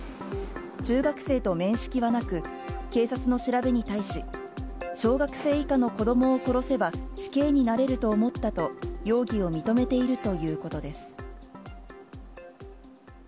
中学生と面識はなく、警察の調べに対し、小学生以下の子どもを殺せば、死刑になれると思ったと、容疑を認めているということです。